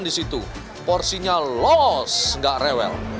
dan di situ porsinya los gak rewel